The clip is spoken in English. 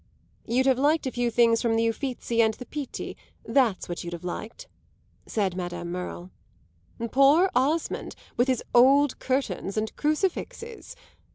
"You'd have liked a few things from the Uffizi and the Pitti that's what you'd have liked," said Madame Merle. "Poor Osmond, with his old curtains and crucifixes!"